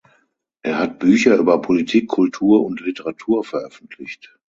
Er hat Bücher über Politik, Kultur und Literatur veröffentlicht.